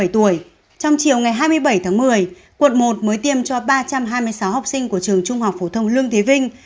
trong chiều ngày hai mươi bảy tháng một mươi quận một mới tiêm cho ba trăm hai mươi sáu học sinh của trường trung học phổ thông lương thế vinh